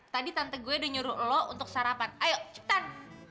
tadi tante gue udah nyuruh lo untuk sarapan ayo ciptan